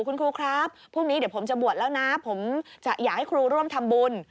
คุณครูครับพรุ่งนี้เดี๋ยวผมจะบวชแล้วนะผมจะอยากให้ครูร่วมทำบุญ